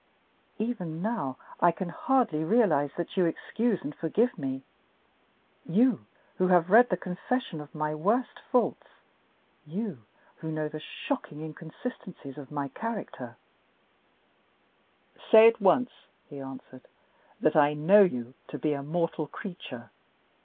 Even now, I can hardly realize that you excuse and forgive me; you, who have read the confession of my worst faults; you, who know the shocking inconsistencies of my character " "Say at once," he answered, "that I know you to be a mortal creature.